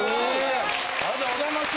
ありがとうございます！